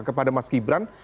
kepada mas gibran